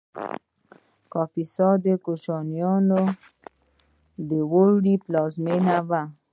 کاپیسا د کوشانیانو د اوړي پلازمینه وه